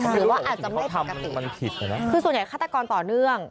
หรือว่าอาจจะไม่ปกติมันผิดคือส่วนใหญ่ฆาตกรต่อเนื่อง